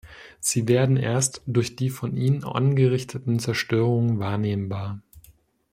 Sie werden erst durch die von ihnen angerichteten Zerstörungen wahrnehmbar.